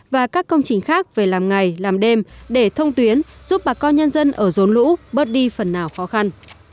và các công trình khác về làm ngày làm đêm để thông tuyến giúp bà con nhân dân ở rốn lũ bớt đi phần nào khó khăn